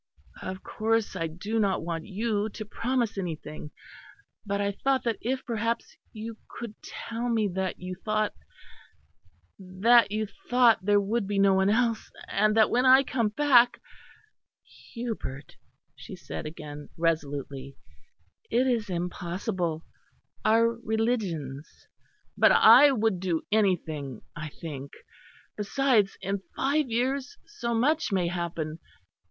Of course I do not want you to promise anything; but I thought that if perhaps you could tell me that you thought that you thought there would be no one else; and that when I came back " "Hubert," she said again, resolutely, "it is impossible: our religions " "But I would do anything, I think. Besides, in five years so much may happen.